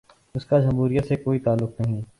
اس کا جمہوریت سے کوئی تعلق نہیں۔